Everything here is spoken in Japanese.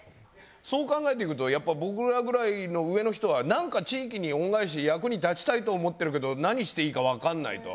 そう考えていくとやっぱり僕らくらいの上の人は何か地域に恩返し役に立ちたいと思ってるけど何していいかわかんないと。